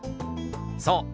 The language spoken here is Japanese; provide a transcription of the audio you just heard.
そう。